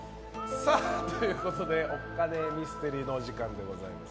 おっカネミステリーのお時間でございます。